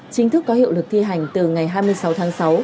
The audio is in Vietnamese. chính thức có hiệu lực thi hành từ ngày hai mươi sáu tháng sáu